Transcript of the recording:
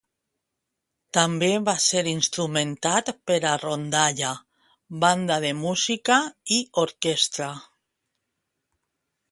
També va ser instrumentat per a rondalla, banda de música i orquestra.